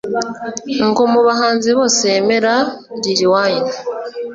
ngo mubahanzi bose yemera lil wayne